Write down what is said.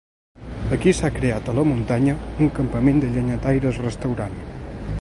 Aquí s'ha creat a la muntanya un campament de llenyataires restaurat.